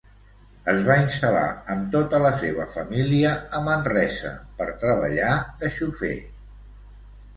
Es va instal·lar amb tota la seva família a Manresa per treballar de xofer.